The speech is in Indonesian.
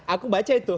aku baca itu